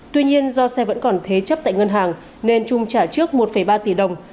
tuy nhiên do xe vẫn còn thế chấp tại ngân hàng nên trung trả trước một ba tỷ đồng